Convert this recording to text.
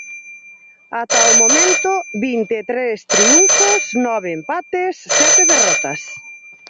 Ata o momento vinte e tres triunfos, nove empates, sete derrotas.